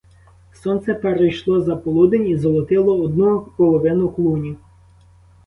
Сонце перейшло за полудень і золотило одну половину клуні.